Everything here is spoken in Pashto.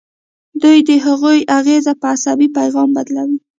دوی د هغوی اغیزه په عصبي پیغام بدلوي.